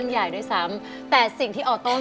มีความอ่อนน้อง